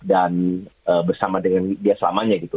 dan bersama dengan dia selamanya gitu